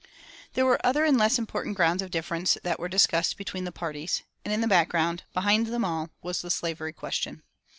There were other and less important grounds of difference that were discussed between the parties. And in the background, behind them all, was the slavery question.